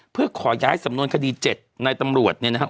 เพื่อขอย้ายสำนวนคดี๗ในตำรวจเนี่ยนะครับ